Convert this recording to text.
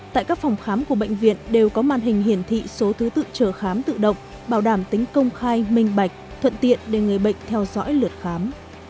tại các phòng khám của bệnh viện đều có màn hình hiển thị số thứ tự chở khám tự động bảo đảm tính công khai minh bạch thuận tiện để người bệnh theo dõi lượt khám